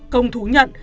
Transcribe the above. công thú nhận